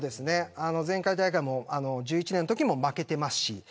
前回大会も２０１１年のときも負けていますし